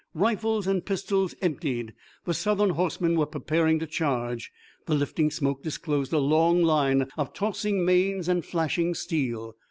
Rifles and pistols emptied, the Southern horsemen were preparing to charge. The lifting smoke disclosed a long line of tossing manes and flashing steel.